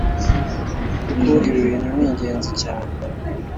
kuko ibi bintu ni ingenzi cyane